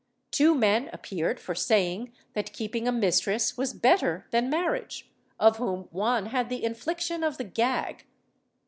Two men appeared for saying that keeping a mistress was better than marriage, of whom one had the infliction of the gag.